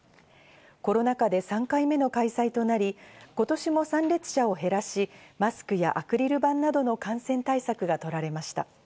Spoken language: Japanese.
コロナ禍で３回目の開催となり、今年も参列者を減らし、マスクやアクリル板などの感染対策がとられました。